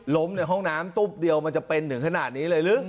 ในห้องน้ำตุ๊บเดียวมันจะเป็นถึงขนาดนี้เลยหรือ